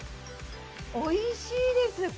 おいしいです。